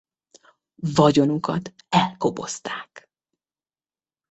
Vagyonukat elkobozták.